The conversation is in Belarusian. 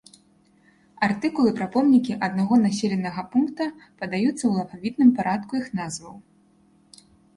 Артыкулы пра помнікі аднаго населенага пункта падаюцца ў алфавітным парадку іх назваў.